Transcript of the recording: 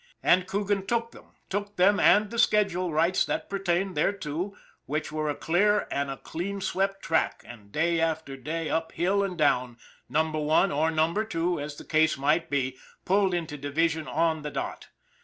And Coogan took them, took them and the schedule rights that pertained thereto, which were a clear and a clean swept track, and day after day, up hill and down, Number One or Number Two, as the case might be, pulled into division on the dot.